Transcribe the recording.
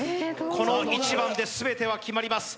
この一番で全ては決まります